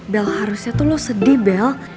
bel harusnya tuh lo sedih bel